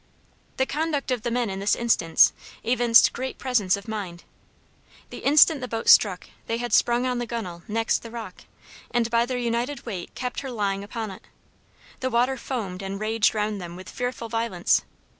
The conduct of the men in this instance, evinced great presence of mind. The instant the boat struck they had sprung on the gunwale next the rock, and by their united weight kept her lying upon it. The water foamed and raged round them with fearful violence.